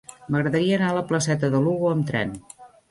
M'agradaria anar a la placeta de Lugo amb tren.